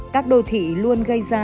các đô thị luôn gây ra